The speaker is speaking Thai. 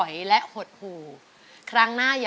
สวัสดีครับ